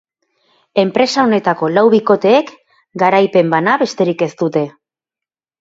Enpresa honetako lau bikoteeek garaipen bana besterik ez dute.